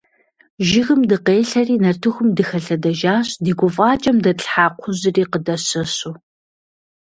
Жыгым дыкъелъэри нартыхум дыхэлъэдэжащ, ди гуфӀакӀэм дэтлъхьа кхъужьри къыдэщэщу.